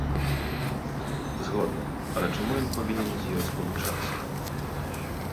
Згодны, але чаму ён павінен з ёй спалучацца?